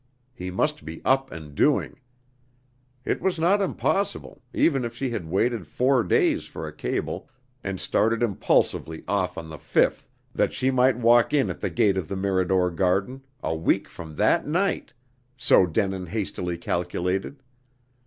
He must be up and doing. It was not impossible, even if she had waited four days for a cable, and started impulsively off on the fifth, that she might walk in at the gate of the Mirador garden, a week from that night, so Denin hastily calculated.